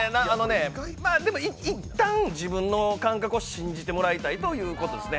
いったん、自分の感覚を信じてもらいたいということですね。